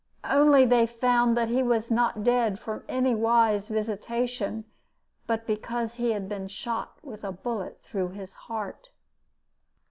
Only they found that he was not dead from any wise visitation, but because he had been shot with a bullet through his heart.